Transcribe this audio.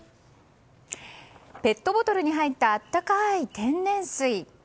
ペットボトルに入った温かい天然水。